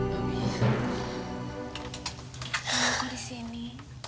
kamu kok di sini